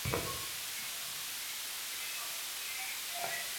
একখানা লিখিত কাগজ লইয়া কাজে ব্যস্ত আছেন এমনি ভান করিলেন।